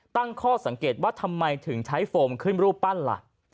ตั้งข้อสังเกตว่าทำไมถึงใช้โฟมขึ้นรูปปั้นล่ะ